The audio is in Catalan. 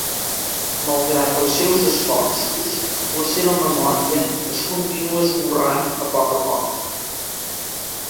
Malgrat els seus esforços, la seva memòria es continua esborrant a poc a poc.